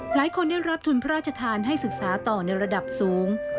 หลายคนได้รับทุนพระราชทานให้ศึกษาต่อในระดับสูง